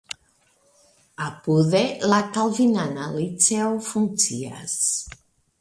Apude la kalvinana liceo funkcias.